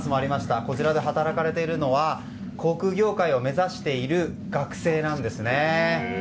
こちらで働いているのは航空業界を目指す学生なんです。